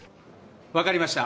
わかりました。